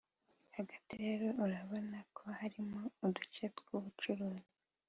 hagati rero urabona ko harimo uduce tw’ubucuruzi